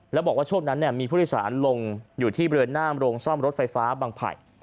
แล้วบอกว่าช่วงนั้นมีผู้โดยสารลงอยู่ที่บริเวณหน้าโรงซ่อมรถไฟฟ้าบางไผ่